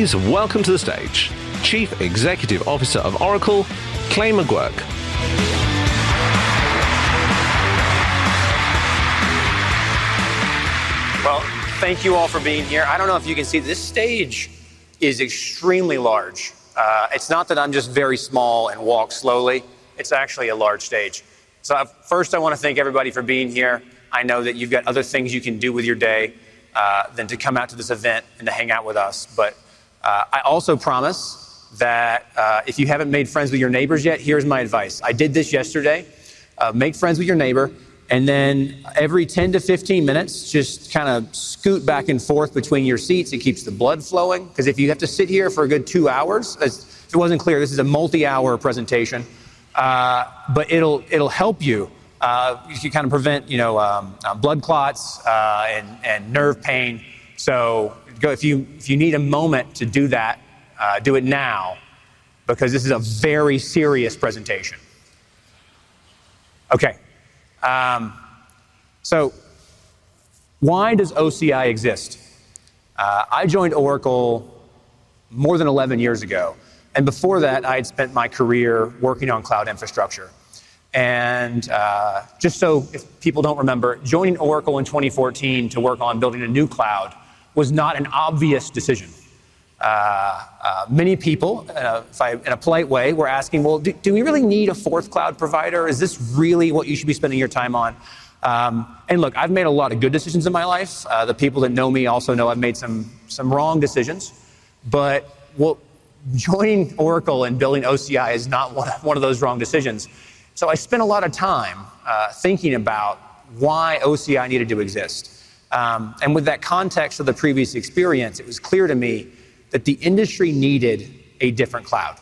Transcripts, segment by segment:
Please welcome to the stage Chief Executive Officer of Oracle, Clay Magouyrk. Thank you all for being here. I don't know if you can see this stage is extremely large. It's not that I'm just very small and walk slowly. It's actually a large stage. First, I want to thank everybody for being here. I know that you've got other things you can do with your day than to come out to this event and to hang out with us. I also promise that if you haven't made friends with your neighbors yet, here's my advice. I did this yesterday. Make friends with your neighbor. Every 10-15 minutes, just kind of scoot back and forth between your seats. It keeps the blood flowing. If you have to sit here for a good two hours, as if it wasn't clear, this is a multi-hour presentation. It'll help you. You can kind of prevent blood clots and nerve pain. If you need a moment to do that, do it now. This is a very serious presentation. OK. Why does OCI exist? I joined Oracle more than 11 years ago. Before that, I had spent my career working on cloud infrastructure. Just so if people don't remember, joining Oracle in 2014 to work on building a new cloud was not an obvious decision. Many people, in a polite way, were asking, do we really need a fourth cloud provider? Is this really what you should be spending your time on? Look, I've made a lot of good decisions in my life. The people that know me also know I've made some wrong decisions. Joining Oracle and building OCI is not one of those wrong decisions. I spent a lot of time thinking about why OCI needed to exist. With that context of the previous experience, it was clear to me that the industry needed a different cloud.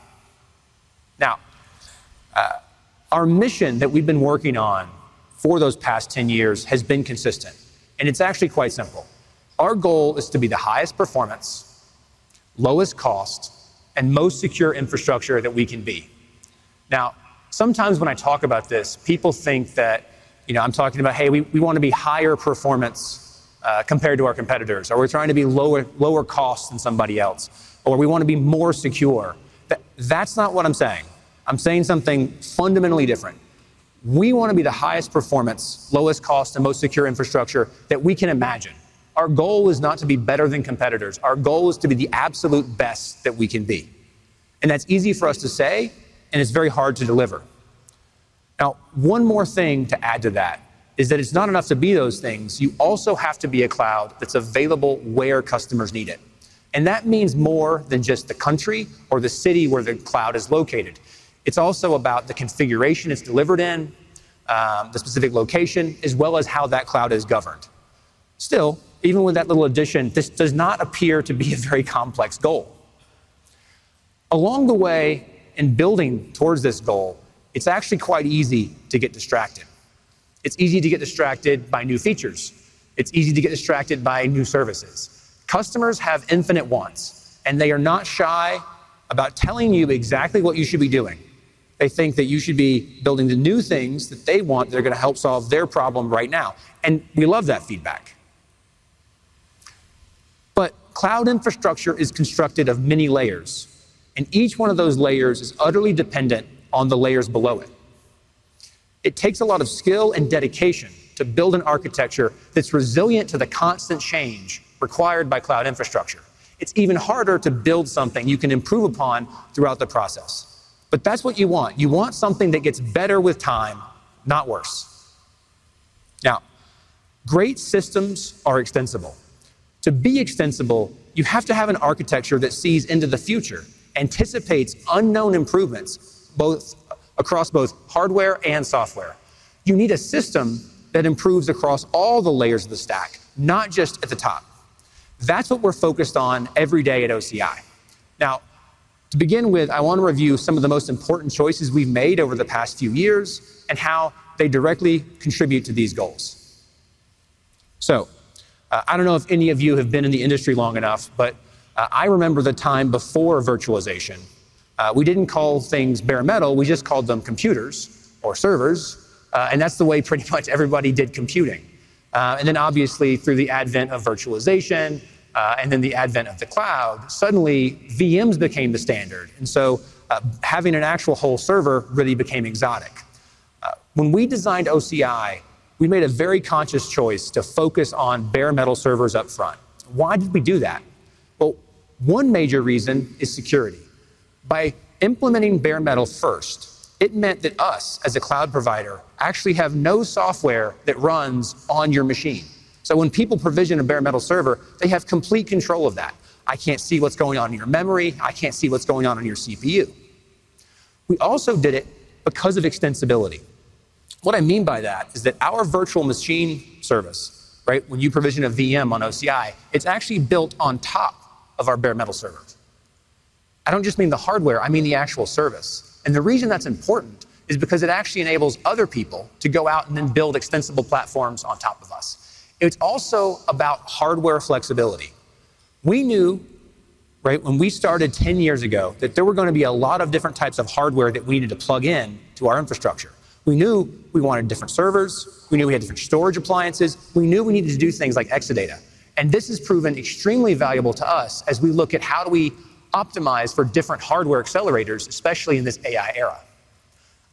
Our mission that we've been working on for those past 10 years has been consistent. It's actually quite simple. Our goal is to be the highest performance, lowest cost, and most secure infrastructure that we can be. Sometimes when I talk about this, people think that I'm talking about, hey, we want to be higher performance compared to our competitors, or we're trying to be lower cost than somebody else, or we want to be more secure. That's not what I'm saying. I'm saying something fundamentally different. We want to be the highest performance, lowest cost, and most secure infrastructure that we can imagine. Our goal is not to be better than competitors. Our goal is to be the absolute best that we can be. That's easy for us to say. It's very hard to deliver. Now, one more thing to add to that is that it's not enough to be those things. You also have to be a cloud that's available where customers need it. That means more than just the country or the city where the cloud is located. It's also about the configuration it's delivered in, the specific location, as well as how that cloud is governed. Still, even with that little addition, this does not appear to be a very complex goal. Along the way in building towards this goal, it's actually quite easy to get distracted. It's easy to get distracted by new features. It's easy to get distracted by new services. Customers have infinite wants, and they are not shy about telling you exactly what you should be doing. They think that you should be building the new things that they want that are going to help solve their problem right now. We love that feedback. Cloud infrastructure is constructed of many layers, and each one of those layers is utterly dependent on the layers below it. It takes a lot of skill and dedication to build an architecture that's resilient to the constant change required by cloud infrastructure. It's even harder to build something you can improve upon throughout the process. That's what you want. You want something that gets better with time, not worse. Great systems are extensible. To be extensible, you have to have an architecture that sees into the future, anticipates unknown improvements across both hardware and software. You need a system that improves across all the layers of the stack, not just at the top. That's what we're focused on every day at OCI. To begin with, I want to review some of the most important choices we've made over the past few years and how they directly contribute to these goals. I don't know if any of you have been in the industry long enough, but I remember the time before virtualization. We didn't call things bare metal. We just called them computers or servers, and that's the way pretty much everybody did computing. Obviously, through the advent of virtualization and then the advent of the cloud, suddenly VMs became the standard, and so having an actual whole server really became exotic. When we designed OCI, we made a very conscious choice to focus on bare metal servers up front. Why did we do that? One major reason is security. By implementing bare metal first, it meant that us, as a cloud provider, actually have no software that runs on your machine. When people provision a bare metal server, they have complete control of that. I can't see what's going on in your memory. I can't see what's going on in your CPU. We also did it because of extensibility. What I mean by that is that our virtual machine service, when you provision a VM on OCI, it's actually built on top of our bare metal server. I don't just mean the hardware. I mean the actual service. The reason that's important is because it actually enables other people to go out and then build extensible platforms on top of us. It's also about hardware flexibility. We knew when we started 10 years ago that there were going to be a lot of different types of hardware that we needed to plug in to our infrastructure. We knew we wanted different servers. We knew we had different storage appliances. We knew we needed to do things like Exadata. This has proven extremely valuable to us as we look at how do we optimize for different hardware accelerators, especially in this AI era.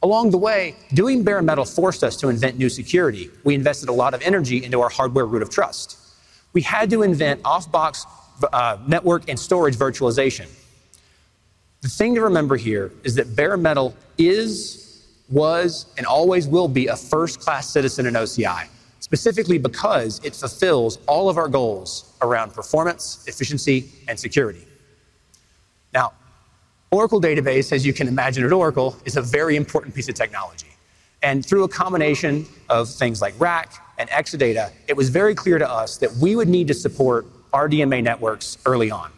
Along the way, doing bare metal forced us to invent new security. We invested a lot of energy into our hardware root of trust. We had to invent off-box network and storage virtualization. The thing to remember here is that bare metal is, was, and always will be a first-class citizen in OCI, specifically because it fulfills all of our goals around performance, efficiency, and security. Now, Oracle Database, as you can imagine, at Oracle, is a very important piece of technology. Through a combination of things like RAC and Exadata, it was very clear to us that we would need to support RDMA networks early on.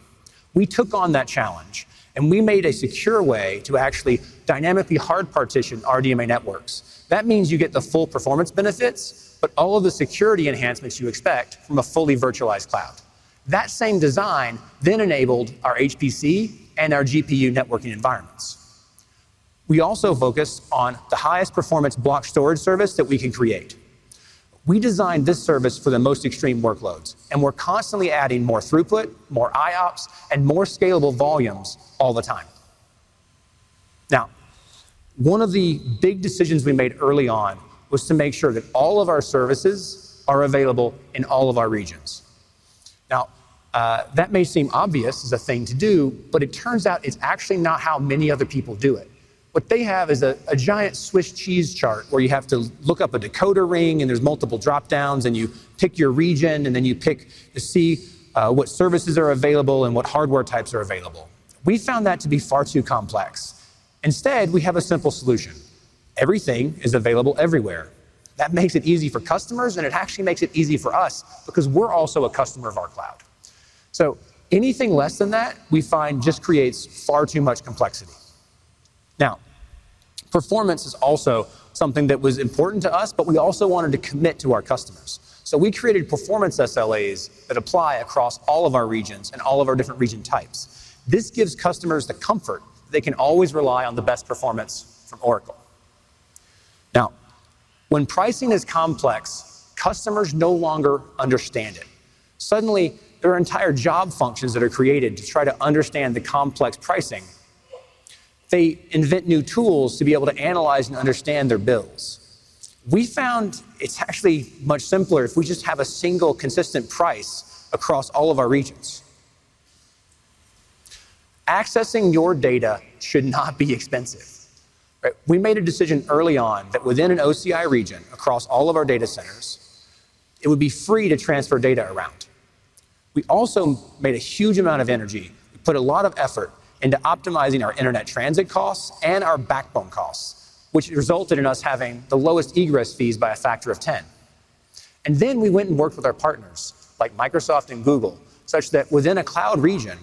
We took on that challenge. We made a secure way to actually dynamically hard partition RDMA networks. That means you get the full performance benefits, but all of the security enhancements you expect from a fully virtualized cloud. That same design then enabled our HPC and our GPU networking environments. We also focused on the highest performance block storage service that we could create. We designed this service for the most extreme workloads. We're constantly adding more throughput, more IOPS, and more scalable volumes all the time. One of the big decisions we made early on was to make sure that all of our services are available in all of our regions. That may seem obvious as a thing to do. It turns out it's actually not how many other people do it. What they have is a giant Swiss cheese chart where you have to look up a decoder ring. There are multiple dropdowns. You pick your region, then you pick to see what services are available and what hardware types are available. We found that to be far too complex. Instead, we have a simple solution: everything is available everywhere. That makes it easy for customers, and it actually makes it easy for us because we're also a customer of our cloud. Anything less than that just creates far too much complexity. Performance is also something that was important to us. We also wanted to commit to our customers, so we created performance SLAs that apply across all of our regions and all of our different region types. This gives customers the comfort that they can always rely on the best performance from Oracle. When pricing is complex, customers no longer understand it. Suddenly, there are entire job functions that are created to try to understand the complex pricing. They invent new tools to be able to analyze and understand their bills. We found it's actually much simpler if we just have a single consistent price across all of our regions. Accessing your data should not be expensive. We made a decision early on that within an OCI region, across all of our data centers, it would be free to transfer data around. We also put a lot of effort into optimizing our internet transit costs and our backbone costs, which resulted in us having the lowest egress fees by a factor of 10. We went and worked with our partners like Microsoft and Google, such that within a cloud region,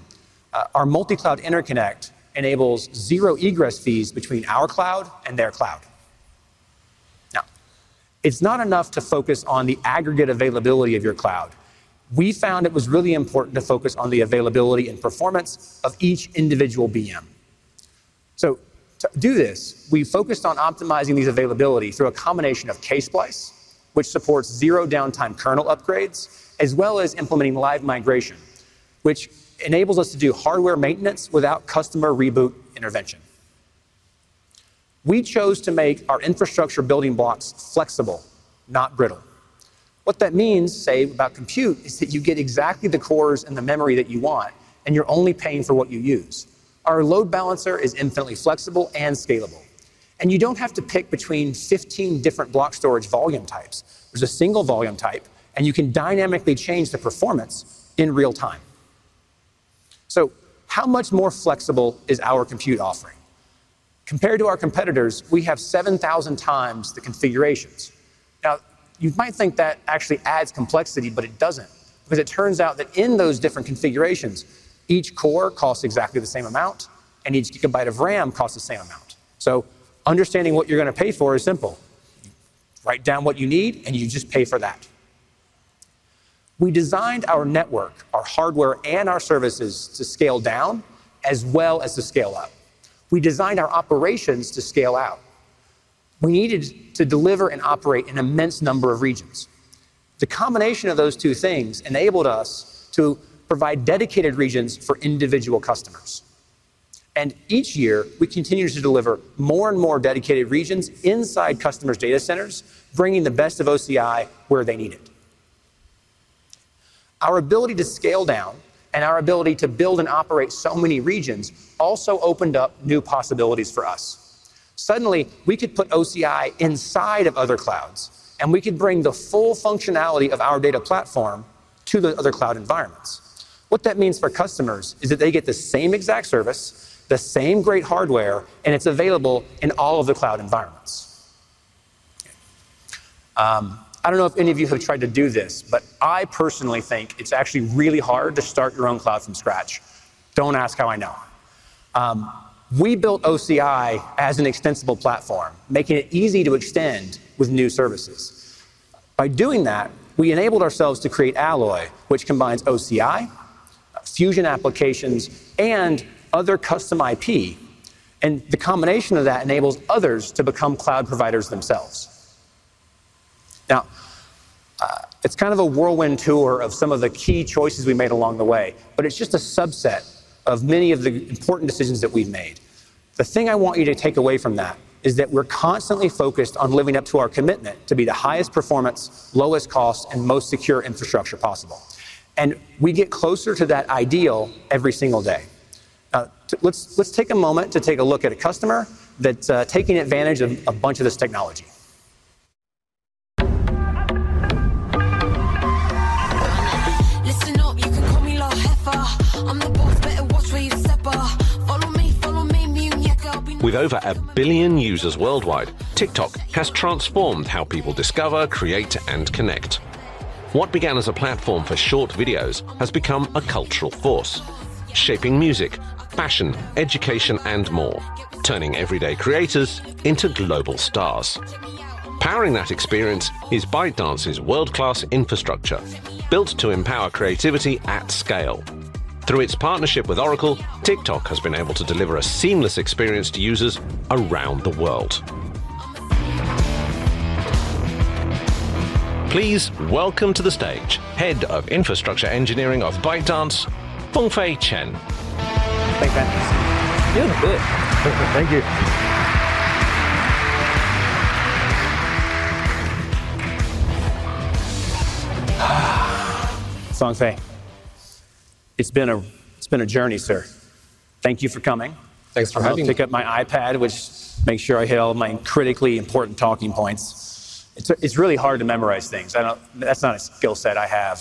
our multi-cloud interconnect enables zero egress fees between our cloud and their cloud. It is not enough to focus on the aggregate availability of your cloud. We found it was really important to focus on the availability and performance of each individual VM. To do this, we focused on optimizing these availabilities through a combination of Ksplice, which supports zero downtime kernel upgrades, as well as implementing live migration, which enables us to do hardware maintenance without customer reboot intervention. We chose to make our infrastructure building blocks flexible, not brittle. What that means, say, about compute, is that you get exactly the cores and the memory that you want, and you're only paying for what you use. Our load balancer is infinitely flexible and scalable, and you don't have to pick between 15 different block storage volume types. There's a single volume type. You can dynamically change the performance in real time. How much more flexible is our compute offering? Compared to our competitors, we have 7,000x the configurations. You might think that actually adds complexity. It doesn't, because it turns out that in those different configurations, each core costs exactly the same amount, and each gigabyte of RAM costs the same amount. Understanding what you're going to pay for is simple. Write down what you need, and you just pay for that. We designed our network, our hardware, and our services to scale down as well as to scale up. We designed our operations to scale out. We needed to deliver and operate in an immense number of regions. The combination of those two things enabled us to provide dedicated regions for individual customers. Each year, we continued to deliver more and more dedicated regions inside customers' data centers, bringing the best of OCI where they need it. Our ability to scale down and our ability to build and operate so many regions also opened up new possibilities for us. Suddenly, we could put OCI inside of other clouds, and we could bring the full functionality of our data platform to the other cloud environments. What that means for customers is that they get the same exact service, the same great hardware, and it's available in all of the cloud environments. I don't know if any of you have tried to do this. I personally think it's actually really hard to start your own cloud from scratch. Don't ask how I know. We built OCI as an extensible platform, making it easy to extend with new services. By doing that, we enabled ourselves to create Alloy, which combines OCI, Fusion Applications, and other custom IP. The combination of that enables others to become cloud providers themselves. It's kind of a whirlwind tour of some of the key choices we made along the way, but it's just a subset of many of the important decisions that we've made. The thing I want you to take away from that is that we're constantly focused on living up to our commitment to be the highest performance, lowest cost, and most secure infrastructure possible. We get closer to that ideal every single day. Let's take a moment to take a look at a customer that's taking advantage of a bunch of this technology. With over a billion users worldwide, TikTok has transformed how people discover, create, and connect. What began as a platform for short videos has become a cultural force, shaping music, fashion, education, and more, turning everyday creators into global stars. Powering that experience is ByteDance's world-class infrastructure, built to empower creativity at scale. Through its partnership with Oracle, TikTok has been able to deliver a seamless experience to users around the world. Please welcome to the stage Head of Infrastructure Engineering of ByteDance, Fangfei Chen. Thank you. You're in the book. Thank you. Fangfei, it's been a journey, sir. Thank you for coming. Thanks for having me. I took out my iPad, which makes sure I hit all my critically important talking points. It's really hard to memorize things. That's not a skill set I have.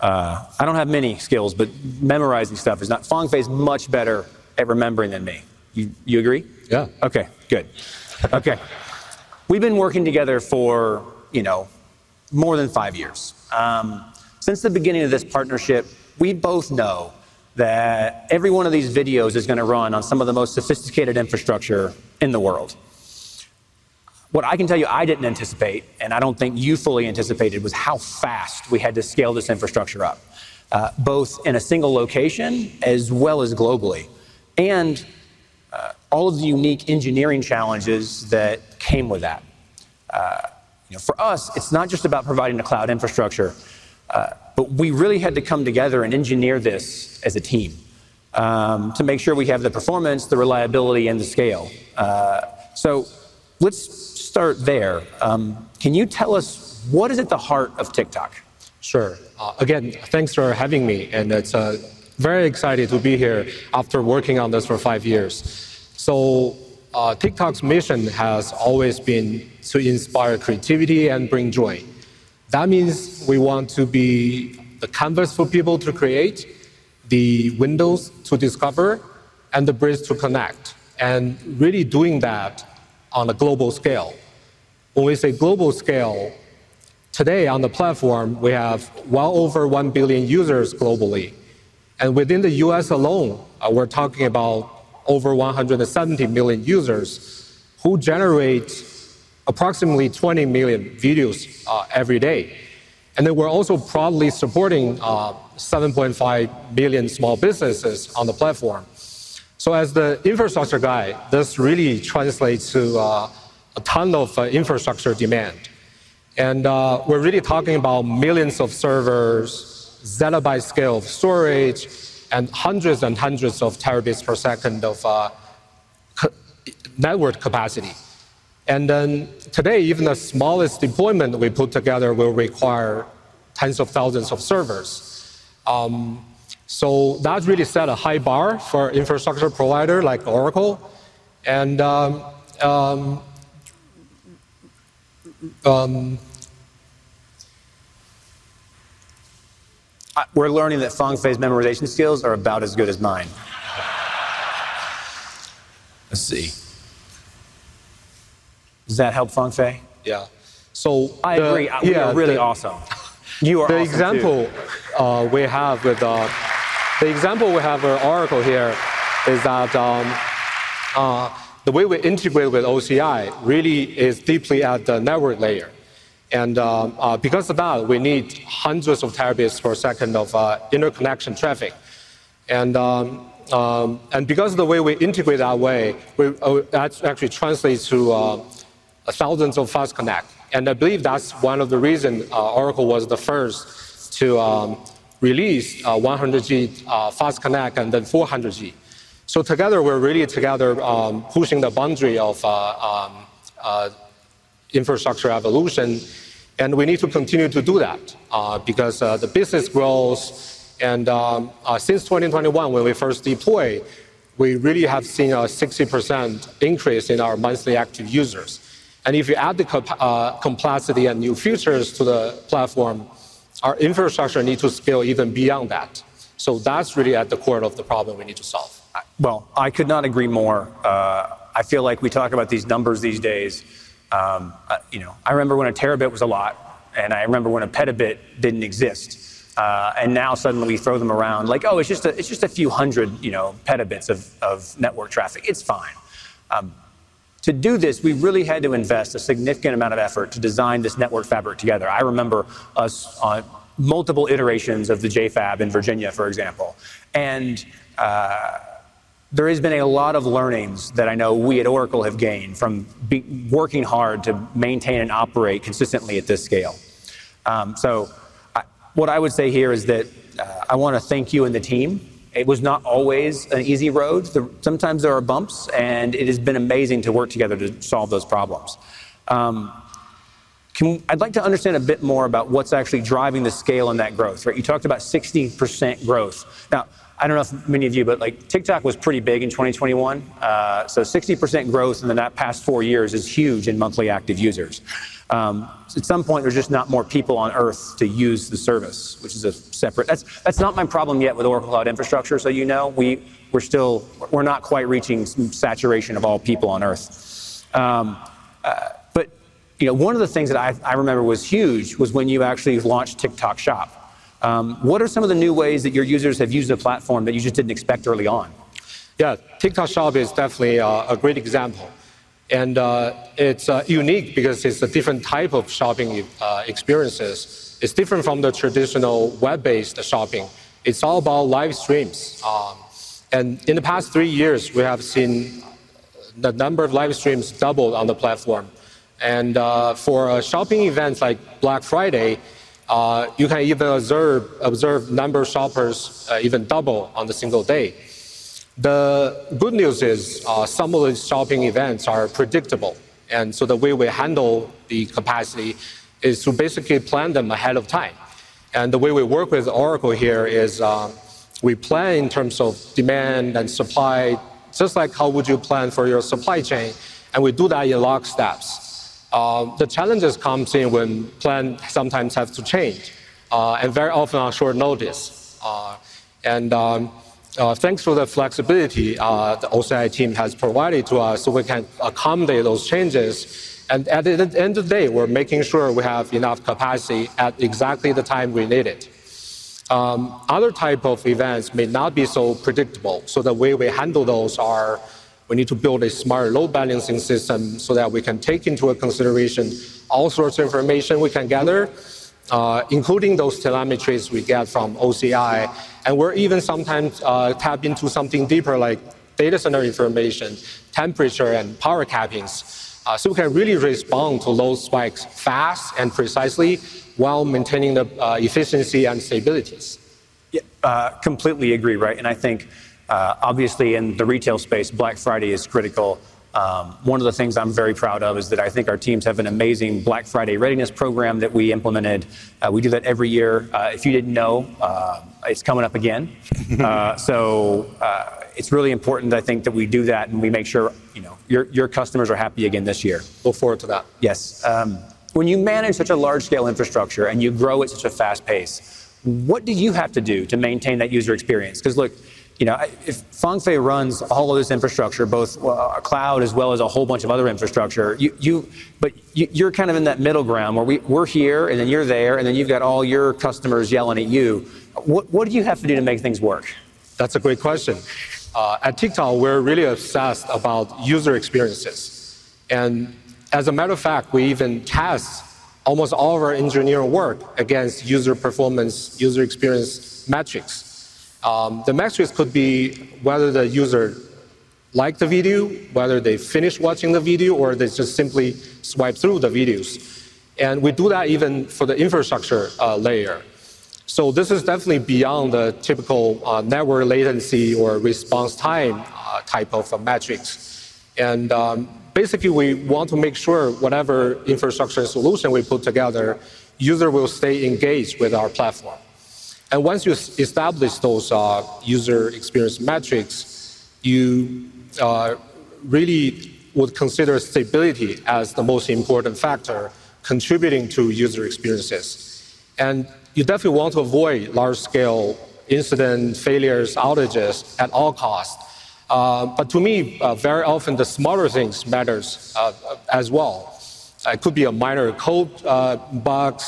I don't have many skills. Memorizing stuff is not. Fangfei Chen's much better at remembering than me. You agree? Yeah. OK, good. OK. We've been working together for more than five years. Since the beginning of this partnership, we both know that every one of these videos is going to run on some of the most sophisticated infrastructure in the world. What I can tell you I didn't anticipate, and I don't think you fully anticipated, was how fast we had to scale this infrastructure up, both in a single location as well as globally, and all of the unique engineering challenges that came with that. For us, it's not just about providing a cloud infrastructure. We really had to come together and engineer this as a team to make sure we have the performance, the reliability, and the scale. Let's start there. Can you tell us, what is at the heart of TikTok? Sure. Again, thanks for having me. It's very exciting to be here after working on this for five years. TikTok's mission has always been to inspire creativity and bring joy. That means we want to be the canvas for people to create, the windows to discover, and the bridge to connect, really doing that on a global scale. When we say global scale, today on the platform, we have well over 1 billion users globally. Within the U.S. alone, we're talking about over 170 million users who generate approximately 20 million videos every day. We're also proudly supporting 7.5 million small businesses on the platform. As the infrastructure guy, this really translates to a ton of infrastructure demand. We're really talking about millions of servers, zettabyte scale of storage, and hundreds and hundreds of terabytes per second of network capacity. Today, even the smallest deployment we put together will require tens of thousands of servers. That really set a high bar for an infrastructure provider like Oracle. We're learning Fangfei's memorization skills are about as good as mine. Let's see. Does that help, Fangfei? Yeah. I agree. You are really awesome. You are awesome. The example we have with Oracle here is that the way we integrate with OCI really is deeply at the network layer. Because of that, we need hundreds of terabytes per second of interconnection traffic. The way we integrate that way actually translates to thousands of fast connects. I believe that's one of the reasons Oracle was the first to release 100G fast connect and then 400G. Together, we're really pushing the boundary of infrastructure evolution. We need to continue to do that because the business grows. Since 2021, when we first deployed, we really have seen a 60% increase in our monthly active users. If you add the complexity and new features to the platform, our infrastructure needs to scale even beyond that. That's really at the core of the problem we need to solve. I could not agree more. I feel like we talk about these numbers these days. I remember when a terabyte was a lot. I remember when a petabyte didn't exist. Now suddenly we throw them around like, oh, it's just a few hundred petabytes of network traffic. It's fine. To do this, we really had to invest a significant amount of effort to design this network fabric together. I remember us on multiple iterations of the JFAB in Virginia, for example. There has been a lot of learnings that I know we at Oracle have gained from working hard to maintain and operate consistently at this scale. What I would say here is that I want to thank you and the team. It was not always an easy road. Sometimes there are bumps. It has been amazing to work together to solve those problems. I'd like to understand a bit more about what's actually driving the scale and that growth. You talked about 60% growth. I don't know if many of you, but TikTok was pretty big in 2021. So 60% growth in the past four years is huge in monthly active users. At some point, there's just not more people on Earth to use the service, which is a separate that's not my problem yet with Oracle Cloud Infrastructure, so you know. We're not quite reaching saturation of all people on Earth. One of the things that I remember was huge was when you actually launched TikTok Shop. What are some of the new ways that your users have used the platform that you just didn't expect early on? Yeah, TikTok Shop is definitely a great example. It's unique because it's a different type of shopping experience. It's different from the traditional web-based shopping. It's all about live streams. In the past three years, we have seen the number of live streams double on the platform. For shopping events like Black Friday, you can even observe the number of shoppers double on a single day. The good news is some of the shopping events are predictable. The way we handle the capacity is to basically plan them ahead of time. The way we work with Oracle here is we plan in terms of demand and supply, just like how you would plan for your supply chain. We do that in lockstep. The challenges come in when plans sometimes have to change, and very often on short notice. Thanks to the flexibility the OCI team has provided to us, we can accommodate those changes. At the end of the day, we're making sure we have enough capacity at exactly the time we need it. Other types of events may not be so predictable. The way we handle those is we need to build a smart load balancing system so that we can take into consideration all sorts of information we can gather, including those telemetries we get from OCI. We're even sometimes tapping into something deeper, like data center information, temperature, and power cappings. We can really respond to those spikes fast and precisely while maintaining the efficiency and stabilities. Completely agree, right? I think, obviously, in the retail space, Black Friday is critical. One of the things I'm very proud of is that I think our teams have an amazing Black Friday readiness program that we implemented. We do that every year. If you didn't know, it's coming up again. It is really important, I think, that we do that, and we make sure your customers are happy again this year. Look forward to that. Yes. When you manage such a large-scale infrastructure and you grow at such a fast pace, what do you have to do to maintain that user experience? Because look, if Fangfei runs all of this infrastructure, both cloud as well as a whole bunch of other infrastructure, you're kind of in that middle ground where we're here, and then you're there, and then you've got all your customers yelling at you. What do you have to do to make things work? That's a great question. At TikTok, we're really obsessed about user experiences. As a matter of fact, we even test almost all of our engineering work against user performance, user experience metrics. The metrics could be whether the user liked the video, whether they finished watching the video, or they just simply swiped through the videos. We do that even for the infrastructure layer. This is definitely beyond the typical network latency or response time type of metrics. Basically, we want to make sure whatever infrastructure solution we put together, users will stay engaged with our platform. Once you establish those user experience metrics, you really would consider stability as the most important factor contributing to user experiences. You definitely want to avoid large-scale incidents, failures, outages at all costs. To me, very often the smaller things matter as well. It could be a minor code bug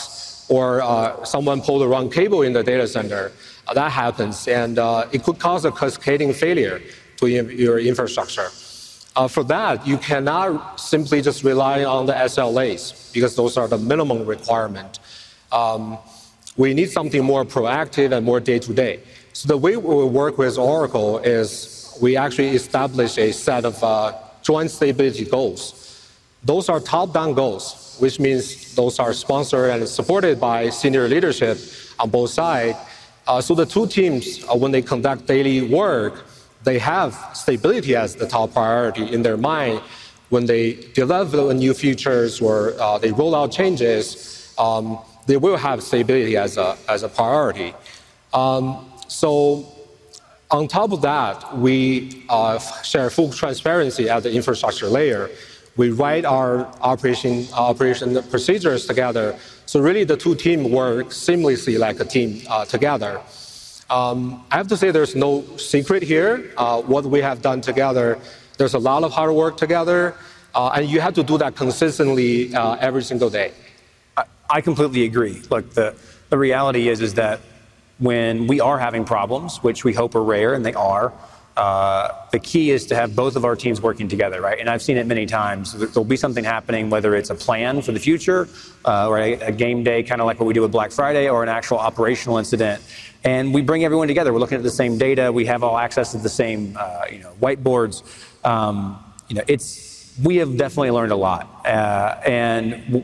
or someone pulled the wrong cable in the data center. That happens, and it could cause a cascading failure to your infrastructure. For that, you cannot simply just rely on the SLAs because those are the minimum requirement. We need something more proactive and more day-to-day. The way we work with Oracle is we actually establish a set of joint stability goals. Those are top-down goals, which means those are sponsored and supported by senior leadership on both sides. The two teams, when they conduct daily work, have stability as the top priority in their mind. When they develop new features or they roll out changes, they will have stability as a priority. On top of that, we share full transparency at the infrastructure layer. We write our operation procedures together. The two teams work seamlessly like a team together. I have to say there's no secret here. What we have done together, there's a lot of hard work together, and you have to do that consistently every single day. I completely agree. Look, the reality is that when we are having problems, which we hope are rare, and they are, the key is to have both of our teams working together. I've seen it many times. There'll be something happening, whether it's a plan for the future or a game day, kind of like what we do with Black Friday, or an actual operational incident. We bring everyone together. We're looking at the same data. We have all access to the same whiteboards. We have definitely learned a lot.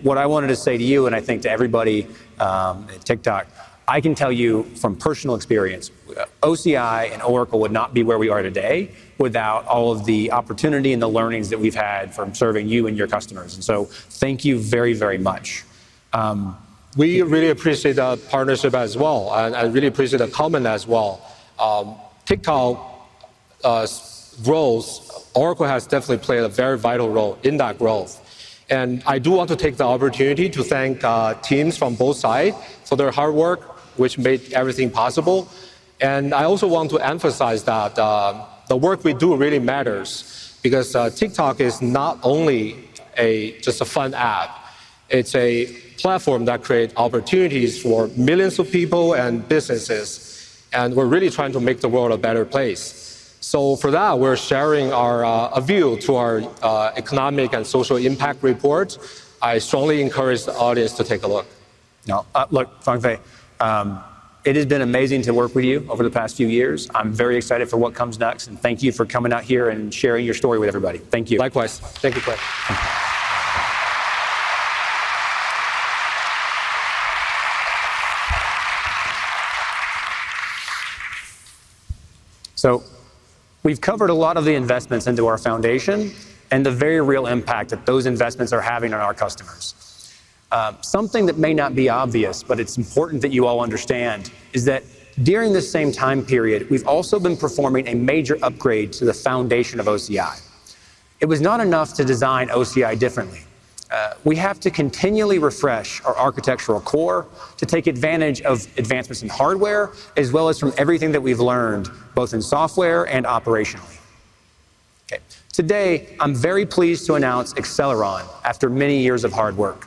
What I wanted to say to you, and I think to everybody at TikTok, I can tell you from personal experience, OCI and Oracle would not be where we are today without all of the opportunity and the learnings that we've had from serving you and your customers. Thank you very, very much. We really appreciate the partnership as well. I really appreciate the comment as well. TikTok's growth, Oracle has definitely played a very vital role in that growth. I do want to take the opportunity to thank teams from both sides for their hard work, which made everything possible. I also want to emphasize that the work we do really matters because TikTok is not only just a fun app. It's a platform that creates opportunities for millions of people and businesses. We're really trying to make the world a better place. For that, we're sharing a view to our economic and social impact report. I strongly encourage the audience to take a look. Look, Fangfei, it has been amazing to work with you over the past few years. I'm very excited for what comes next. Thank you for coming out here and sharing your story with everybody. Thank you. Likewise, thank you, Clay. We've covered a lot of the investments into our foundation and the very real impact that those investments are having on our customers. Something that may not be obvious, but it's important that you all understand, is that during this same time period, we've also been performing a major upgrade to the foundation of OCI. It was not enough to design OCI differently. We have to continually refresh our architectural core to take advantage of advancements in hardware, as well as from everything that we've learned, both in software and operationally. Today, I'm very pleased to announce Acceleron after many years of hard work.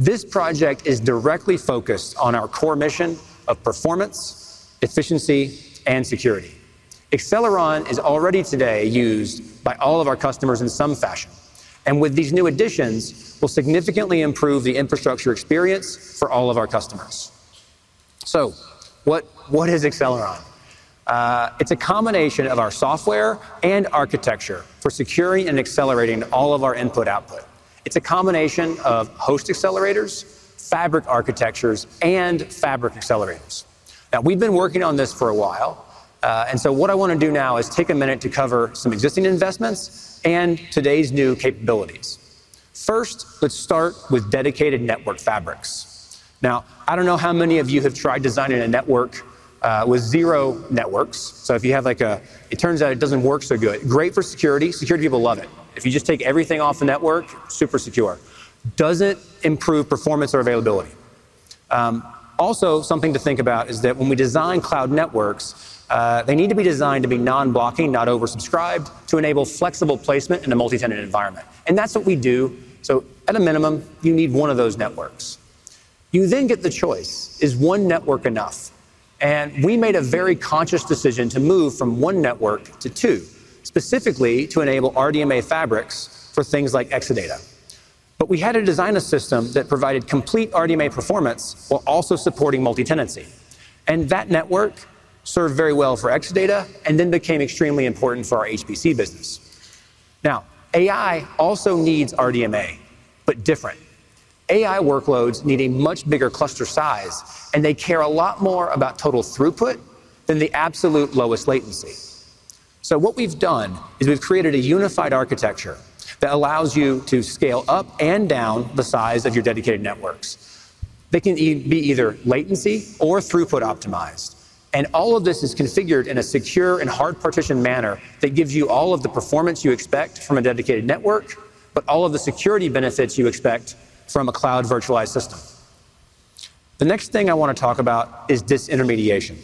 This project is directly focused on our core mission of performance, efficiency, and security. Acceleron is already today used by all of our customers in some fashion. With these new additions, we'll significantly improve the infrastructure experience for all of our customers. What is Acceleron? It's a combination of our software and architecture for securing and accelerating all of our input output. It's a combination of host accelerators, fabric architectures, and fabric accelerators. We've been working on this for a while. What I want to do now is take a minute to cover some existing investments and today's new capabilities. First, let's start with dedicated network fabrics. I don't know how many of you have tried designing a network with zero networks. If you have, it turns out it doesn't work so good. Great for security. Security people love it. If you just take everything off the network, super secure. Does it improve performance or availability? Also, something to think about is that when we design cloud networks, they need to be designed to be non-blocking, not oversubscribed, to enable flexible placement in a multi-tenant environment. That's what we do. At a minimum, you need one of those networks. You then get the choice, is one network enough? We made a very conscious decision to move from one network to two, specifically to enable RDMA fabrics for things like Exadata. We had to design a system that provided complete RDMA performance while also supporting multi-tenancy. That network served very well for Exadata and then became extremely important for our HPC business. AI also needs RDMA, but different. AI workloads need a much bigger cluster size. They care a lot more about total throughput than the absolute lowest latency. What we've done is we've created a unified architecture that allows you to scale up and down the size of your dedicated networks. They can be either latency or throughput optimized. All of this is configured in a secure and hard partition manner that gives you all of the performance you expect from a dedicated network, but all of the security benefits you expect from a cloud virtualized system. The next thing I want to talk about is disk intermediation.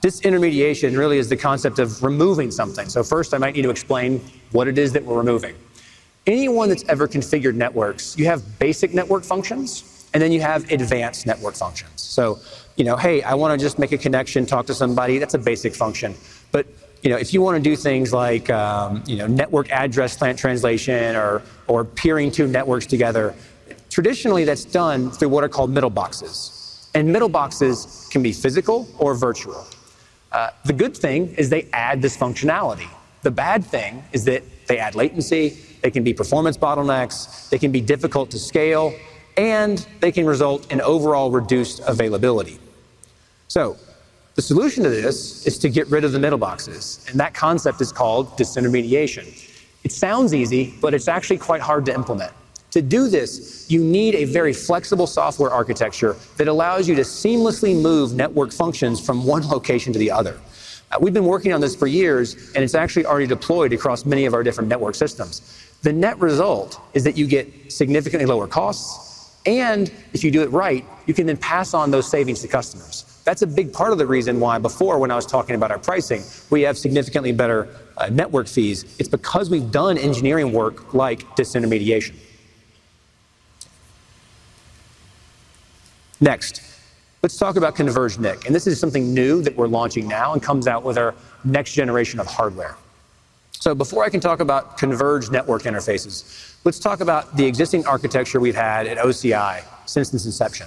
Disk intermediation really is the concept of removing something. First, I might need to explain what it is that we're removing. Anyone that's ever configured networks, you have basic network functions, and then you have advanced network functions. Hey, I want to just make a connection, talk to somebody. That's a basic function. If you want to do things like network address translation or peering two networks together, traditionally that's done through what are called middle boxes. Middle boxes can be physical or virtual. The good thing is they add this functionality. The bad thing is that they add latency. They can be performance bottlenecks, they can be difficult to scale, and they can result in overall reduced availability. The solution to this is to get rid of the middle boxes, and that concept is called disk intermediation. It sounds easy, but it's actually quite hard to implement. To do this, you need a very flexible software architecture that allows you to seamlessly move network functions from one location to the other. We've been working on this for years, and it's actually already deployed across many of our different network systems. The net result is that you get significantly lower costs, and if you do it right, you can then pass on those savings to customers. That's a big part of the reason why before, when I was talking about our pricing, we have significantly better network fees. It's because we've done engineering work like disk intermediation. Next, let's talk about converged NIC. This is something new that we're launching now and comes out with our next generation of hardware. Before I can talk about converged network interfaces, let's talk about the existing architecture we've had at OCI since its inception.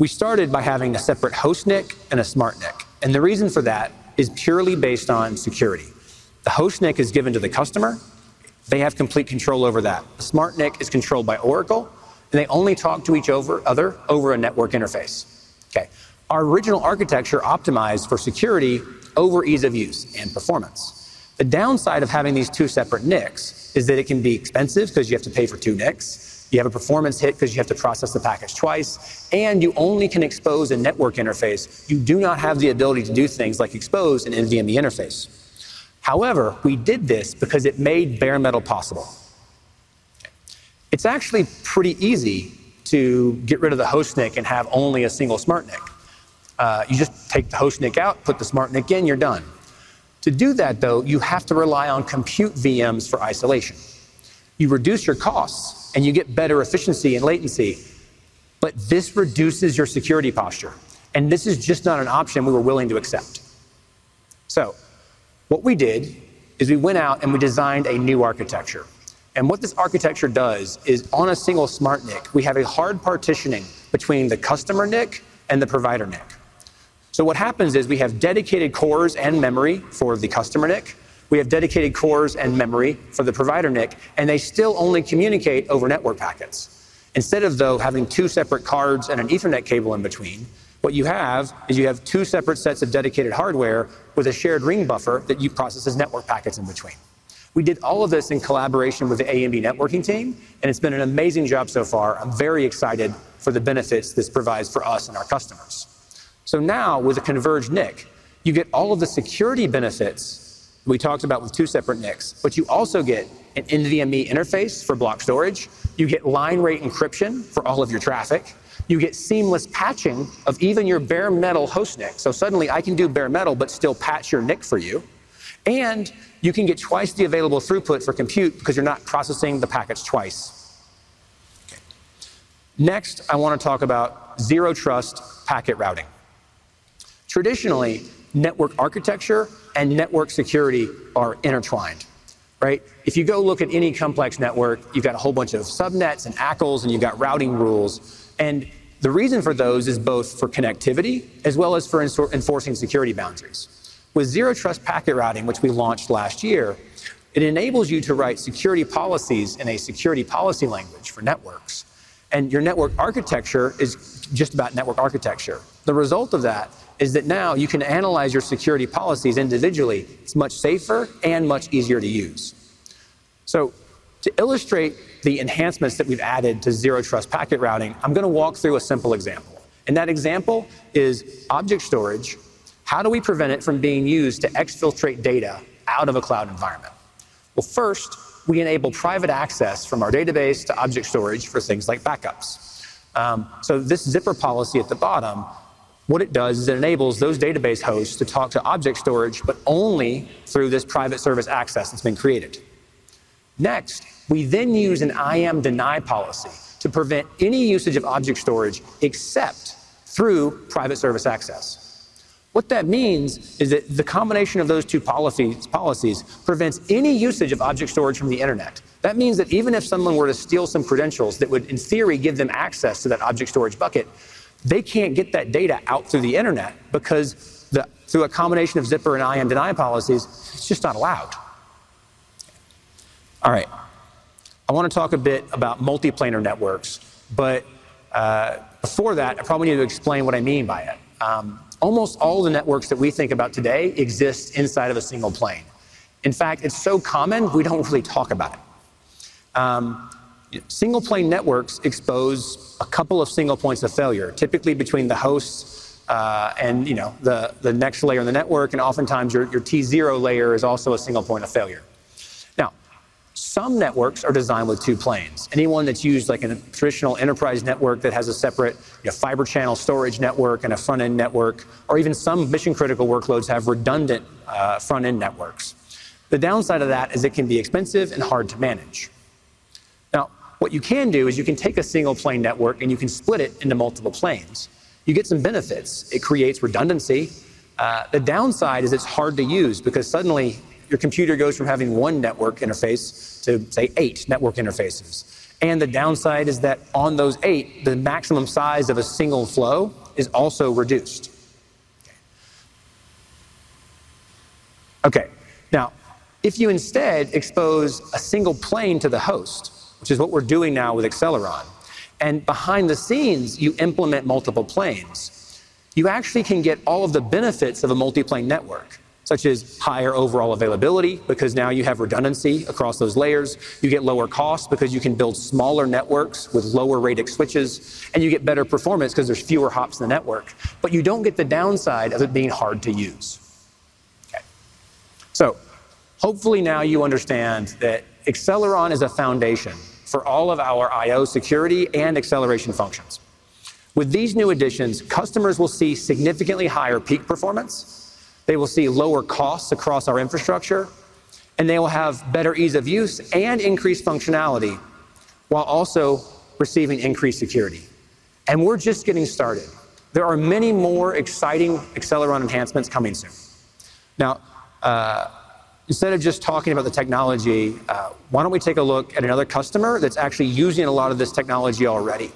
We started by having a separate host NIC and a smart NIC. The reason for that is purely based on security. The host NIC is given to the customer. They have complete control over that. The smart NIC is controlled by Oracle. They only talk to each other over a network interface. Our original architecture optimized for security over ease of use and performance. The downside of having these two separate NICs is that it can be expensive because you have to pay for two NICs. You have a performance hit because you have to process the packet twice. You only can expose a network interface. You do not have the ability to do things like expose an NVMe interface. We did this because it made bare metal possible. It's actually pretty easy to get rid of the host NIC and have only a single smart NIC. You just take the host NIC out, put the smart NIC in, you're done. To do that, though, you have to rely on compute VMs for isolation. You reduce your costs and you get better efficiency and latency. This reduces your security posture. This is just not an option we were willing to accept. We went out and we designed a new architecture. What this architecture does is on a single smart NIC, we have a hard partitioning between the customer NIC and the provider NIC. What happens is we have dedicated cores and memory for the customer NIC. We have dedicated cores and memory for the provider NIC. They still only communicate over network packets. Instead of having two separate cards and an Ethernet cable in between, what you have is two separate sets of dedicated hardware with a shared ring buffer that you process as network packets in between. We did all of this in collaboration with the AMD networking team. It's been an amazing job so far. I'm very excited for the benefits this provides for us and our customers. Now, with a converged NIC, you get all of the security benefits we talked about with two separate NICs. You also get an NVMe interface for block storage. You get line rate encryption for all of your traffic. You get seamless patching of even your bare metal host NIC. Suddenly, I can do bare metal but still patch your NIC for you. You can get twice the available throughput for compute because you're not processing the packets twice. Next, I want to talk about Zero Trust Packet Routing. Traditionally, network architecture and network security are intertwined. If you go look at any complex network, you've got a whole bunch of subnets and ACLs. You've got routing rules. The reason for those is both for connectivity as well as for enforcing security boundaries. With Zero Trust Packet Routing, which we launched last year, it enables you to write security policies in a security policy language for networks. Your network architecture is just about network architecture. The result of that is that now you can analyze your security policies individually. It's much safer and much easier to use. To illustrate the enhancements that we've added to Zero Trust Packet Routing, I'm going to walk through a simple example. That example is object storage. How do we prevent it from being used to exfiltrate data out of a cloud environment? First, we enable private access from our database to object storage for things like backups. This zipper policy at the bottom, what it does is it enables those database hosts to talk to object storage, but only through this private service access that's been created. Next, we use an IAM deny policy to prevent any usage of object storage except through private service access. What that means is that the combination of those two policies prevents any usage of object storage from the internet. That means that even if someone were to steal some credentials that would, in theory, give them access to that object storage bucket, they can't get that data out through the internet because through a combination of zipper and IAM deny policies, it's just not allowed. I want to talk a bit about multiplanar networks. Before that, I probably need to explain what I mean by it. Almost all the networks that we think about today exist inside of a single plane. In fact, it's so common we don't really talk about it. Single plane networks expose a couple of single points of failure, typically between the host and the next layer in the network. Oftentimes, your [T0] layer is also a single point of failure. Some networks are designed with two planes. Anyone that's used like a traditional enterprise network that has a separate fiber channel storage network and a front-end network, or even some mission-critical workloads have redundant front-end networks. The downside of that is it can be expensive and hard to manage. What you can do is you can take a single plane network and you can split it into multiple planes. You get some benefits. It creates redundancy. The downside is it's hard to use because suddenly, your computer goes from having one network interface to, say, eight network interfaces. The downside is that on those eight, the maximum size of a single flow is also reduced. If you instead expose a single plane to the host, which is what we're doing now with Acceleron, and behind the scenes, you implement multiple planes, you actually can get all of the benefits of a multiplanar network, such as higher overall availability because now you have redundancy across those layers. You get lower costs because you can build smaller networks with lower rate of switches, and you get better performance because there's fewer hops in the network. You don't get the downside of it being hard to use. Hopefully, now you understand that Acceleron is a foundation for all of our I/O security and acceleration functions. With these new additions, customers will see significantly higher peak performance. They will see lower costs across our infrastructure, and they will have better ease of use and increased functionality while also receiving increased security. We're just getting started. There are many more exciting Acceleron enhancements coming soon. Instead of just talking about the technology, why don't we take a look at another customer that's actually using a lot of this technology already?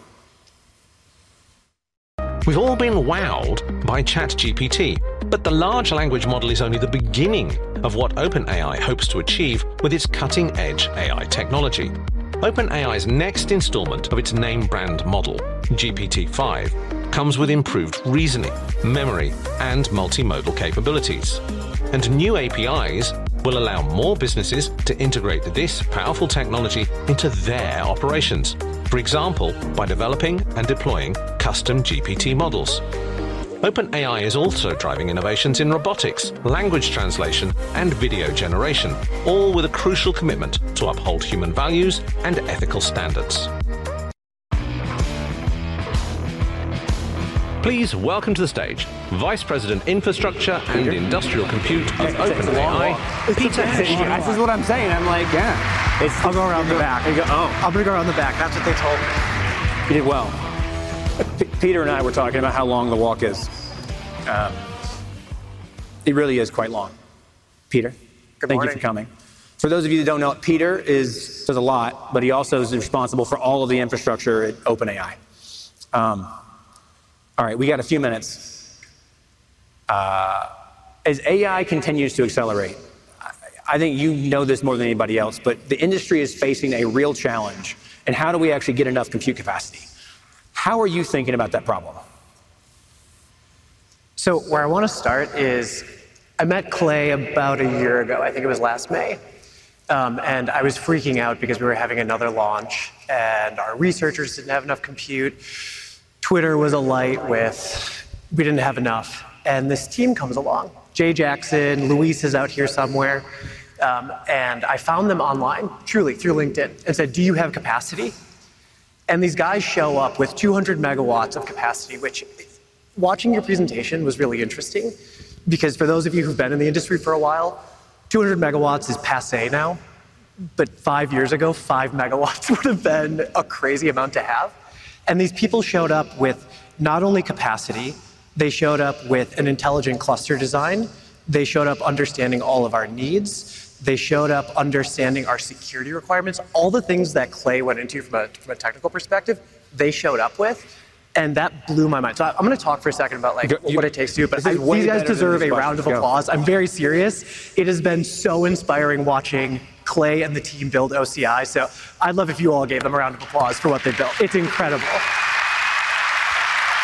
We've all been wowed by ChatGPT. The large language model is only the beginning of what OpenAI hopes to achieve with its cutting-edge AI technology. OpenAI's next installment of its name brand model, GPT-5, comes with improved reasoning, memory, and multimodal capabilities. New APIs will allow more businesses to integrate this powerful technology into their operations, for example, by developing and deploying custom GPT models. OpenAI is also driving innovations in robotics, language translation, and video generation, all with a crucial commitment to uphold human values and ethical standards. Please welcome to the stage Vice President of Infrastructure and Industrial Compute of OpenAI, Peter Hoeschele. This is what I'm saying. I'm like, yeah, I'll go around the back. Oh, I'm going to go around the back. That's what they told me. You did well. Peter and I were talking about how long the walk is. It really is quite long. Peter, thank you for coming. For those of you that don't know it, Peter does a lot. He also is responsible for all of the infrastructure at OpenAI. All right, we got a few minutes. As AI continues to accelerate, I think you know this more than anybody else. The industry is facing a real challenge. How do we actually get enough compute capacity? How are you thinking about that problem? Where I want to start is I met Clay about a year ago. I think it was last May. I was freaking out because we were having another launch, and our researchers didn't have enough compute. Twitter was alight with we didn't have enough, and this team comes along. Jay Jackson, Luis is out here somewhere. I found them online, truly through LinkedIn, and said, do you have capacity? These guys show up with 200 MW of capacity, which, watching your presentation, was really interesting. For those of you who've been in the industry for a while, 200 MW is passé now, but five years ago, 5 MW would have been a crazy amount to have. These people showed up with not only capacity, they showed up with an intelligent cluster design. They showed up understanding all of our needs. They showed up understanding our security requirements, all the things that Clay went into from a technical perspective, they showed up with, and that blew my mind. I'm going to talk for a second about what it takes to do. Do you guys deserve a round of applause? I'm very serious. It has been so inspiring watching Clay and the team build OCI. I'd love if you all gave them a round of applause for what they built. It's incredible.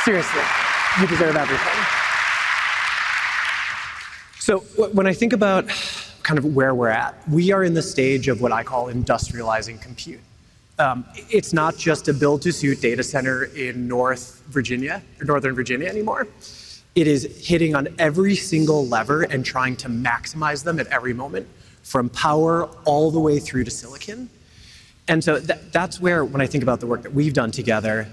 Seriously, you deserve everything. When I think about kind of where we're at, we are in the stage of what I call industrializing compute. It's not just a build-to-suit data center in Northern Virginia anymore. It is hitting on every single lever and trying to maximize them at every moment, from power all the way through to silicon. That's where, when I think about the work that we've done together,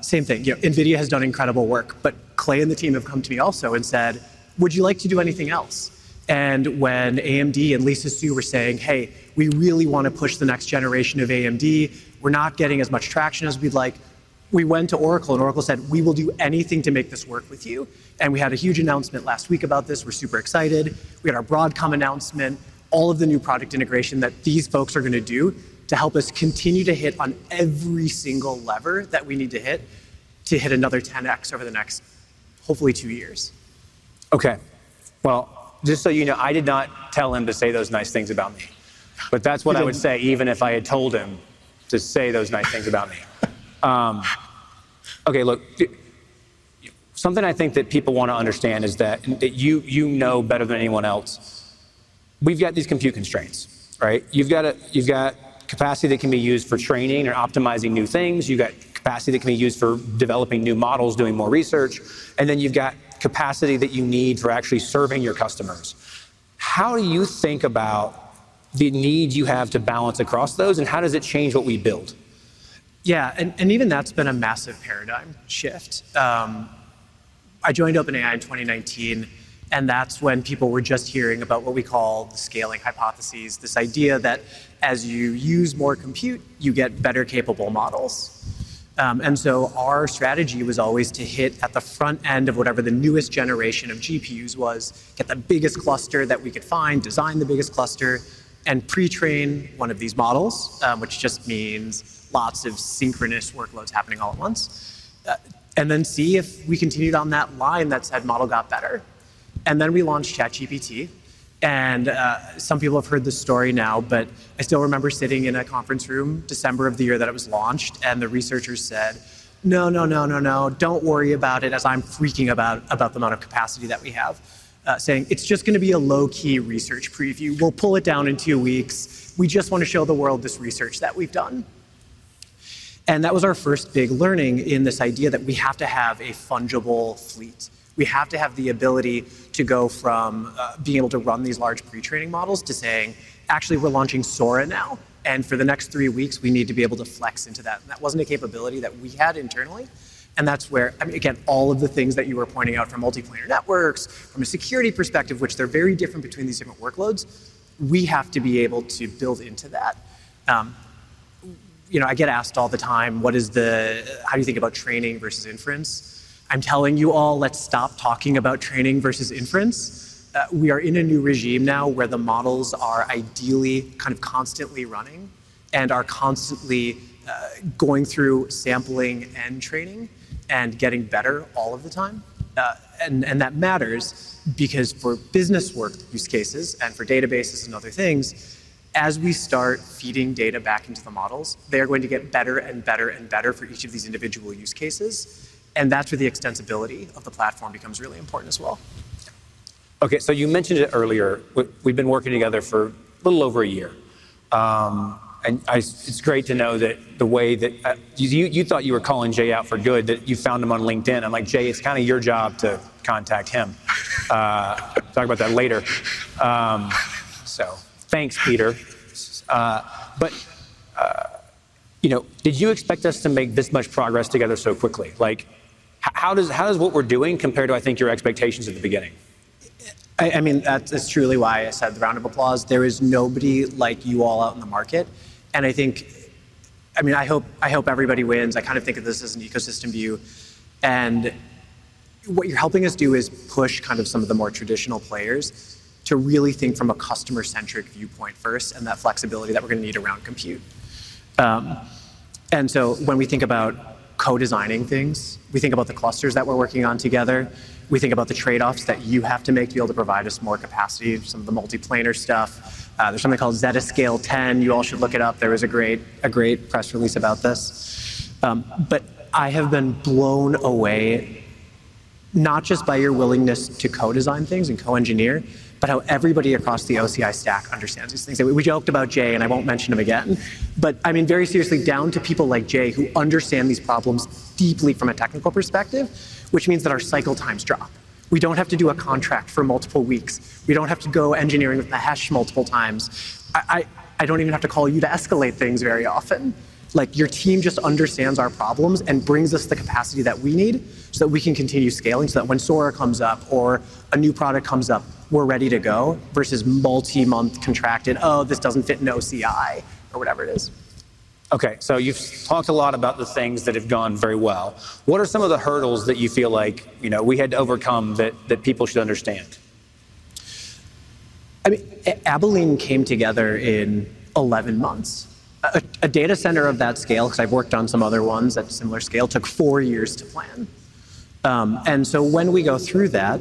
same thing. NVIDIA has done incredible work, but Clay and the team have come to me also and said, would you like to do anything else? When AMD and Lisa Su were saying, hey, we really want to push the next generation of AMD, we're not getting as much traction as we'd like, we went to Oracle. Oracle said, we will do anything to make this work with you. We had a huge announcement last week about this. We're super excited. We had our Broadcom announcement, all of the new product integration that these folks are going to do to help us continue to hit on every single lever that we need to hit to hit another 10x over the next, hopefully, two years. OK, just so you know, I did not tell him to say those nice things about me. That's what I would say, even if I had told him to say those nice things about me. Something I think that people want to understand is that you know better than anyone else. We've got these compute constraints. You've got capacity that can be used for training and optimizing new things. You've got capacity that can be used for developing new models, doing more research. You've got capacity that you need for actually serving your customers. How do you think about the need you have to balance across those? How does it change what we build? Yeah, and even that's been a massive paradigm shift. I joined OpenAI in 2019, and that's when people were just hearing about what we call the scaling hypotheses, this idea that as you use more compute, you get better capable models. Our strategy was always to hit at the front end of whatever the newest generation of GPUs was, get the biggest cluster that we could find, design the biggest cluster, and pre-train one of these models, which just means lots of synchronous workloads happening all at once, and then see if we continued on that line that said model got better. We launched ChatGPT. Some people have heard this story now. I still remember sitting in a conference room December of the year that it was launched, and the researchers said, no, no, no, no, no, don't worry about it, as I'm freaking about the amount of capacity that we have, saying it's just going to be a low-key research preview. We'll pull it down in two weeks. We just want to show the world this research that we've done. That was our first big learning in this idea that we have to have a fungible fleet. We have to have the ability to go from being able to run these large pre-training models to saying, actually, we're launching Sora now, and for the next three weeks, we need to be able to flex into that. That wasn't a capability that we had internally. That's where, again, all of the things that you were pointing out from multiplanar networks, from a security perspective, which they're very different between these different workloads, we have to be able to build into that. I get asked all the time, how do you think about training versus inference? I'm telling you all, let's stop talking about training versus inference. We are in a new regime now where the models are ideally kind of constantly running and are constantly going through sampling and training and getting better all of the time. That matters because for business work use cases and for databases and other things, as we start feeding data back into the models, they are going to get better and better and better for each of these individual use cases. That's where the extensibility of the platform becomes really important as well. OK, you mentioned it earlier. We've been working together for a little over a year. It's great to know that the way that you thought you were calling Jay out for good, that you found him on LinkedIn. I'm like, Jay, it's kind of your job to contact him. Talk about that later. Thanks, Peter. Did you expect us to make this much progress together so quickly? How does what we're doing compare to, I think, your expectations at the beginning? I mean, that's truly why I said the round of applause. There is nobody like you all out in the market. I think, I hope everybody wins. I kind of think of this as an ecosystem view. What you're helping us do is push some of the more traditional players to really think from a customer-centric viewpoint first and that flexibility that we're going to need around compute. When we think about co-designing things, we think about the clusters that we're working on together. We think about the trade-offs that you have to make to be able to provide us more capacity, some of the multiplanar stuff. There's something called ZettaScale 10. You all should look it up. There was a great press release about this. I have been blown away not just by your willingness to co-design things and co-engineer, but how everybody across the OCI stack understands these things. We joked about Jay. I won't mention him again. Very seriously, down to people like Jay who understand these problems deeply from a technical perspective, which means that our cycle times drop. We don't have to do a contract for multiple weeks. We don't have to go engineering with the hash multiple times. I don't even have to call you to escalate things very often. Your team just understands our problems and brings us the capacity that we need so that we can continue scaling so that when Sora comes up or a new product comes up, we're ready to go versus multi-month contracted, oh, this doesn't fit in OCI, or whatever it is. OK, you've talked a lot about the things that have gone very well. What are some of the hurdles that you feel like we had to overcome that people should understand? I mean, Abilene came together in 11 months. A data center of that scale, because I've worked on some other ones at a similar scale, took four years to plan. When we go through that,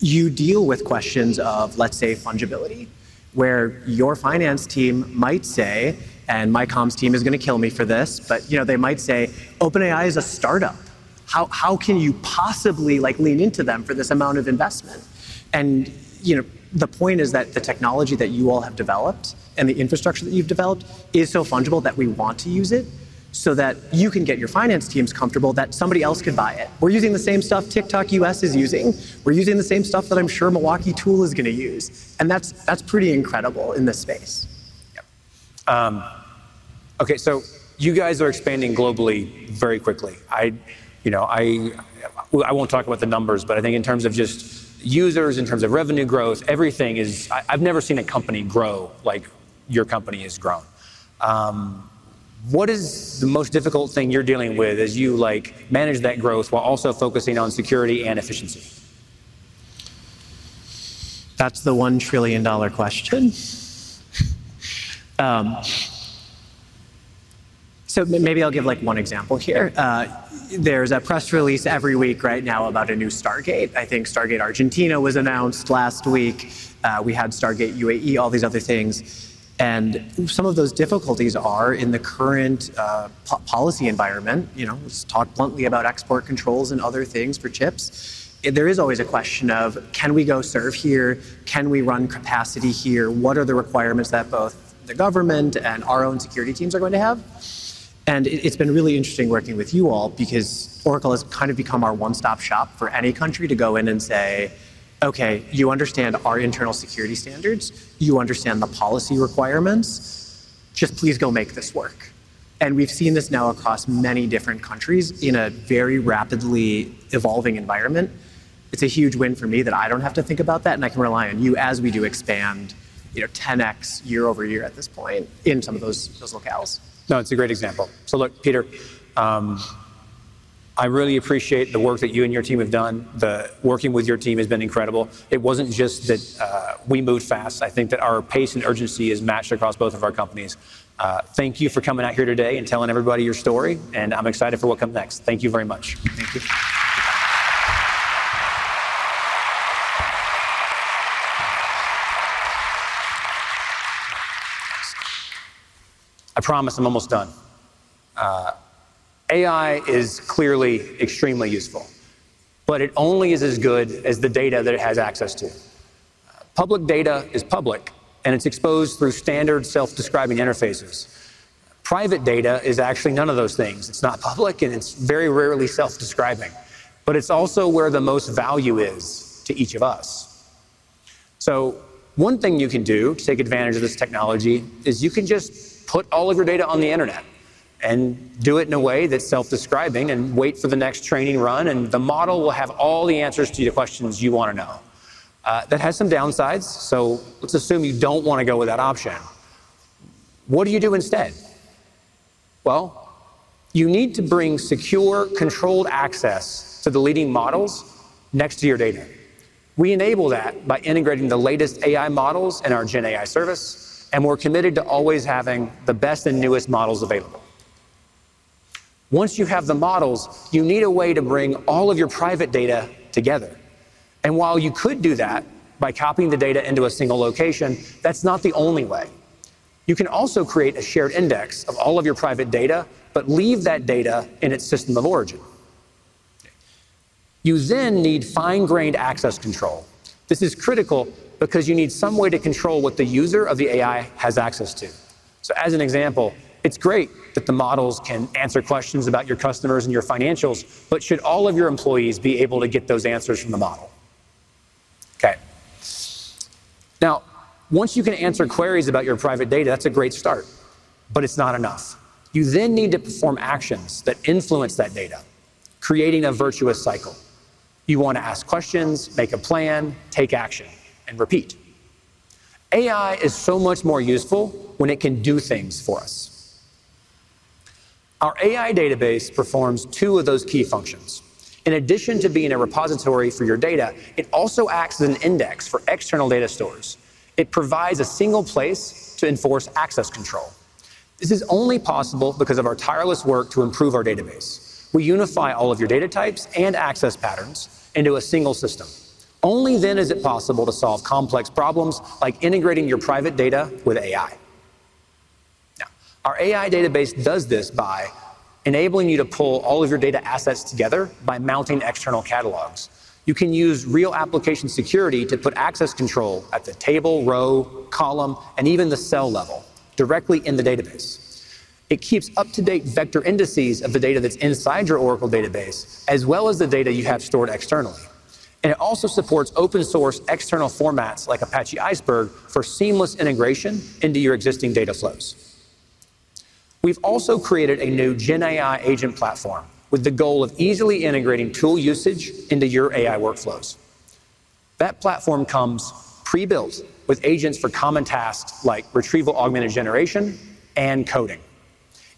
you deal with questions of, let's say, fungibility, where your finance team might say, and my comms team is going to kill me for this, but they might say, OpenAI is a startup. How can you possibly lean into them for this amount of investment? The point is that the technology that you all have developed and the infrastructure that you've developed is so fungible that we want to use it so that you can get your finance teams comfortable that somebody else could buy it. We're using the same stuff TikTok U.S. is using. We're using the same stuff that I'm sure Milwaukee Tool is going to use. That's pretty incredible in this space. OK, you guys are expanding globally very quickly. I won't talk about the numbers. I think in terms of just users, in terms of revenue growth, everything is I've never seen a company grow like your company has grown. What is the most difficult thing you're dealing with as you manage that growth while also focusing on security and efficiency? That's the $1 trillion question. Maybe I'll give one example here. There's a press release every week right now about a new Stargate. I think Stargate Argentina was announced last week. We had Stargate UAE, all these other things. Some of those difficulties are in the current policy environment. Let's talk bluntly about export controls and other things for chips. There is always a question of, can we go serve here? Can we run capacity here? What are the requirements that both the government and our own security teams are going to have? It's been really interesting working with you all because Oracle has kind of become our one-stop shop for any country to go in and say, OK, you understand our internal security standards. You understand the policy requirements. Just please go make this work. We've seen this now across many different countries in a very rapidly evolving environment. It's a huge win for me that I don't have to think about that. I can rely on you as we do expand 10x year-over-year at this point in some of those locales. It's a great example. Peter, I really appreciate the work that you and your team have done. Working with your team has been incredible. It wasn't just that we moved fast. I think that our pace and urgency is matched across both of our companies. Thank you for coming out here today and telling everybody your story. I'm excited for what comes next. Thank you very much. Thank you. I promise I'm almost done. AI is clearly extremely useful, but it only is as good as the data that it has access to. Public data is public, and it's exposed through standard self-describing interfaces. Private data is actually none of those things. It's not public, and it's very rarely self-describing, but it's also where the most value is to each of us. One thing you can do to take advantage of this technology is you can just put all of your data on the internet and do it in a way that's self-describing and wait for the next training run, and the model will have all the answers to the questions you want to know. That has some downsides. Let's assume you don't want to go with that option. What do you do instead? You need to bring secure, controlled access to the leading models next to your data. We enable that by integrating the latest AI models in our GenAI service, and we're committed to always having the best and newest models available. Once you have the models, you need a way to bring all of your private data together. While you could do that by copying the data into a single location, that's not the only way. You can also create a shared index of all of your private data, but leave that data in its system of origin. You then need fine-grained access control. This is critical because you need some way to control what the user of the AI has access to. As an example, it's great that the models can answer questions about your customers and your financials, but should all of your employees be able to get those answers from the model? Once you can answer queries about your private data, that's a great start, but it's not enough. You then need to perform actions that influence that data, creating a virtuous cycle. You want to ask questions, make a plan, take action, and repeat. AI is so much more useful when it can do things for us. Our AI database performs two of those key functions. In addition to being a repository for your data, it also acts as an index for external data stores. It provides a single place to enforce access control. This is only possible because of our tireless work to improve our database. We unify all of your data types and access patterns into a single system. Only then is it possible to solve complex problems like integrating your private data with AI. Our AI database does this by enabling you to pull all of your data assets together by mounting external catalogs. You can use real application security to put access control at the table, row, column, and even the cell level directly in the database. It keeps up-to-date vector indices of the data that's inside your Oracle database, as well as the data you have stored externally. It also supports open-source external formats like Apache Iceberg for seamless integration into your existing data flows. We've also created a new GenAI agent platform with the goal of easily integrating tool usage into your AI workflows. That platform comes pre-built with agents for common tasks like retrieval augmented generation and coding.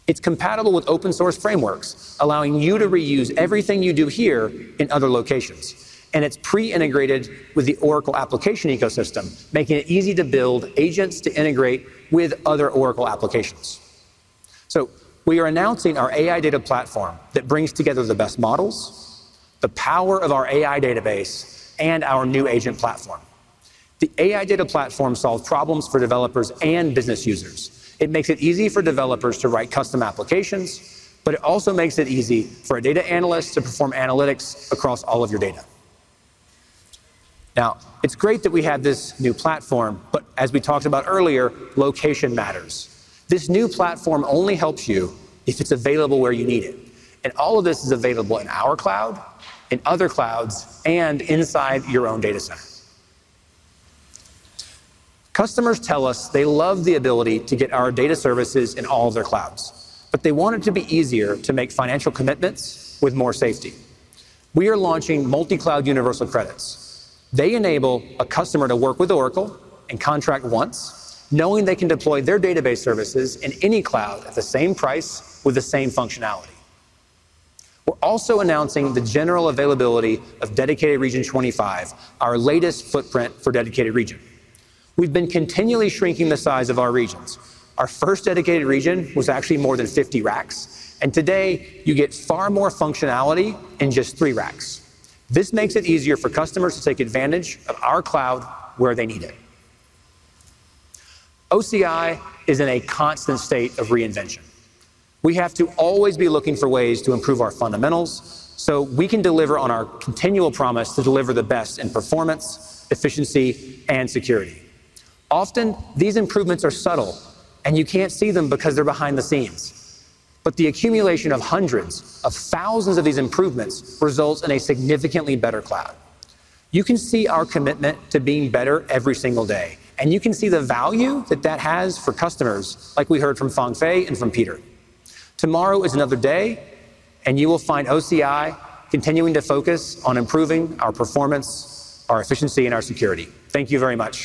It's compatible with open-source frameworks, allowing you to reuse everything you do here in other locations. It's pre-integrated with the Oracle application ecosystem, making it easy to build agents to integrate with other Oracle applications. We are announcing our AI data platform that brings together the best models, the power of our AI database, and our new agent platform. The AI data platform solves problems for developers and business users. It makes it easy for developers to write custom applications. It also makes it easy for a data analyst to perform analytics across all of your data. It's great that we have this new platform. As we talked about earlier, location matters. This new platform only helps you if it's available where you need it. All of this is available in our cloud, in other clouds, and inside your own data center. Customers tell us they love the ability to get our data services in all of their clouds. They want it to be easier to make financial commitments with more safety. We are launching multi-cloud universal credits. They enable a customer to work with Oracle and contract once, knowing they can deploy their database services in any cloud at the same price with the same functionality. We're also announcing the general availability of Dedicated Region 25, our latest footprint for Dedicated Region. We've been continually shrinking the size of our regions. Our first Dedicated Region was actually more than 50 racks. Today, you get far more functionality in just three racks. This makes it easier for customers to take advantage of our cloud where they need it. OCI is in a constant state of reinvention. We have to always be looking for ways to improve our fundamentals so we can deliver on our continual promise to deliver the best in performance, efficiency, and security. Often, these improvements are subtle. You can't see them because they're behind the scenes. The accumulation of hundreds of thousands of these improvements results in a significantly better cloud. You can see our commitment to being better every single day, and you can see the value that that has for customers, like we heard from Fangfei and from Peter. Tomorrow is another day, and you will find OCI continuing to focus on improving our performance, our efficiency, and our security. Thank you very much.